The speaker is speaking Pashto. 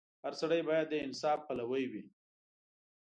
• هر سړی باید د انصاف پلوی وي.